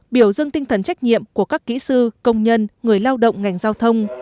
biểu dưng tinh thần trách nhiệm của các kỹ sư công nhân người lao động ngành giao thông